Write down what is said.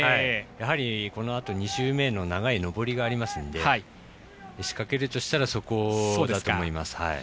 やはり、このあと２周目の長い上りがありますんで仕掛けるとしたらそこになると思います。